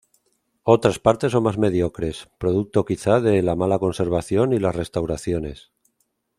Otras partes son más mediocres, producto quizá de la mala conservación y las restauraciones.